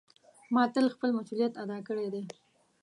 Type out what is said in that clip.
ما تل خپل مسؤلیت ادا کړی ده.